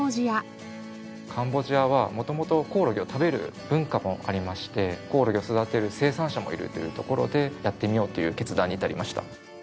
カンボジアは元々コオロギを食べる文化もありましてコオロギを育てる生産者もいるというところでやってみようという決断に至りました。